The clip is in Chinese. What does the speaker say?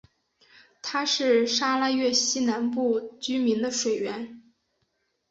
它是沙拉越西南部居民的水源。